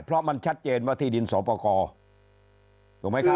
เพราะมันชัดเจนว่าที่ดินสอปกรถูกไหมครับ